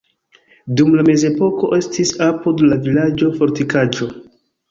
Dum la mezepoko estis apud la vilaĝo fortikaĵo.